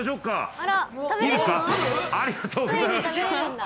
ありがとうございます。